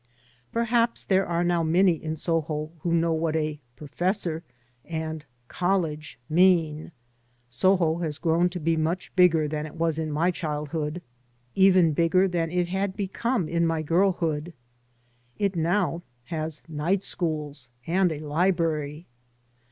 Perhaps there are now many in Soho who know what a " professor " and " college ". mean. Soho has grown to be much bigger than it was in my childhood, even bi^er than it had become in my girlhood. It now has night schools, and a library.